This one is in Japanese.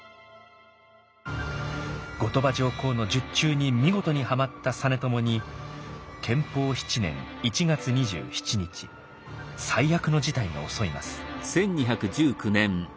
後鳥羽上皇の術中に見事にハマった実朝に建保７年１月２７日最悪の事態が襲います。